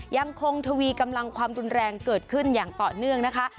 ยังคงทวีกำลังความรุนแรงเกิดขึ้นอย่างต่อเนื่องนะคะ